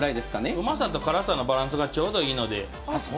うまさと辛さのバランスがちょうどいいので。